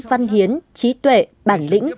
văn hiến trí tuệ bản lĩnh